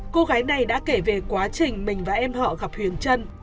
cô gái này đã kể về quá trình mình và em họ gặp huyền trân